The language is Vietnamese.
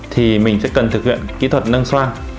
thì mình sẽ cần thực hiện kỹ thuật nâng so